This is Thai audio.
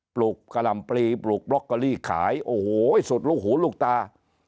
ลูกกะหล่ำปลีปลูกบล็อกเกอรี่ขายโอ้โหสุดลูกหูลูกตา